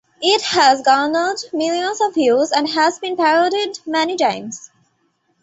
It has garnered millions of views and has been parodied many times.